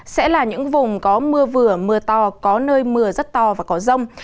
sẽ là những vùng có mưa vừa mưa to có nơi mưa rất to và có rông